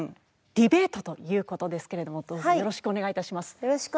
ディベートという事ですけれどもどうぞよろしくお願い致します。